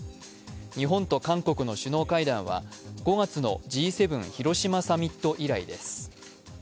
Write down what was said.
日本と韓国の首脳会談は５月のＧ７広島サミット以来です。